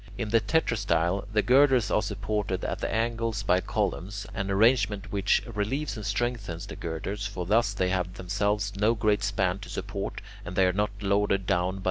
In the tetrastyle, the girders are supported at the angles by columns, an arrangement which relieves and strengthens the girders; for thus they have themselves no great span to support, and they are not loaded down by the crossbeams.